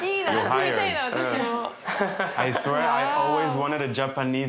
住みたいな私も。